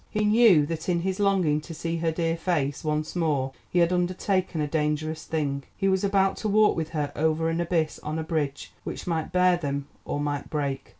He knew that in his longing to see her dear face once more he had undertaken a dangerous thing. He was about to walk with her over an abyss on a bridge which might bear them, or—might break.